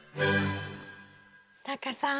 タカさん